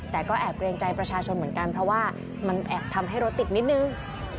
แต่ก็แอบเกรงใจประชาชนเหมือนกันเพราะว่ามันแอบทำให้รถติดนิดนึง